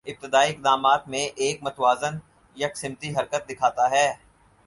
ابتدائی اقدامات میں ایک متوازن یکسمتی حرکت دکھاتا ہے